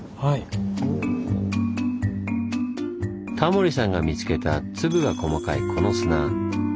タモリさんが見つけた粒が細かいこの砂。